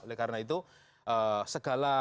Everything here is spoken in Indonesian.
oleh karena itu segala